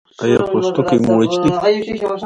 ایا پوستکی مو وچ دی؟